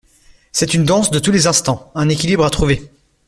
C’est une danse de tous les instants, un équilibre à trouver.